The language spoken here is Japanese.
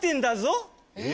え？